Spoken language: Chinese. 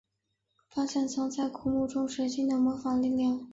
发现藏在古墓中水晶的魔法力量。